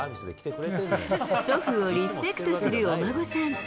祖父をリスペクトするお孫さん。